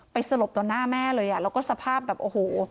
สลบต่อหน้าแม่เลยอ่ะแล้วก็สภาพแบบโอ้โห